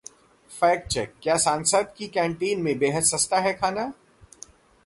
Fact check: क्या संसद की कैंटीन में बेहद सस्ता है खाना?